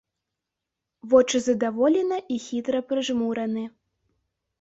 Вочы задаволена і хітра прыжмураны.